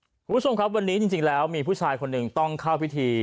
คุณผู้ชมครับวันนี้จริงแล้วมีผู้ชายคนหนึ่งต้องเข้าพิธี